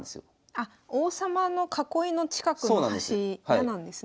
あっ王様の囲いの近くの端嫌なんですね。